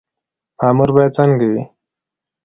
مامور باید څنګه وي؟